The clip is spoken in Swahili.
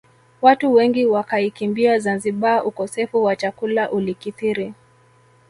Watu wengi wakaikimbia Zanzibar ukosefu wa chakula ulikithiri